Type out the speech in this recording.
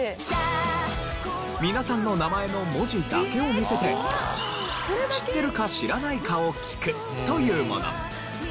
皆さんの名前の文字だけを見せて知ってるか知らないかを聞くというもの。